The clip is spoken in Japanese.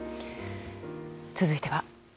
続いては。